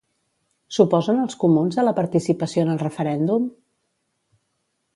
S'oposen els comuns a la participació en el referèndum?